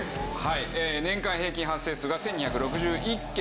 年間平均発生数が１２６１件。